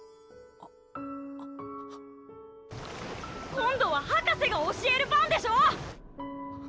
今度は博士が教える番でしょ！